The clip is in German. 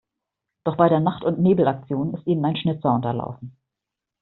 Doch bei der Nacht-und-Nebel-Aktion ist ihnen ein Schnitzer unterlaufen.